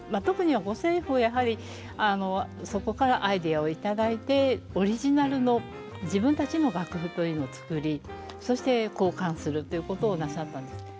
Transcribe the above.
特に五線譜をやはりそこからアイデアを頂いてオリジナルの自分たちの楽譜というのを作りそして公刊するということをなさったんです。